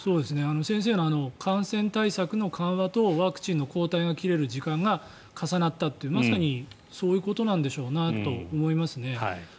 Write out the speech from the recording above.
先生の感染対策の緩和とワクチンの抗体が切れる時間が重なったという、まさにそういうことなんでしょうなと思いますね。